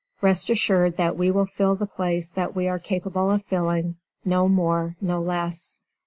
Rest assured that we will fill the place that we are capable of filling; no more, no less.